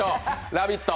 「ラヴィット！」